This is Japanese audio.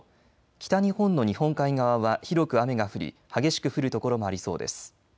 北日本の日本海側は広く雨が降り激しく降る所もありそうです。